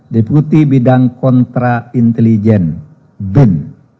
deputi bidang kontraintelijen bin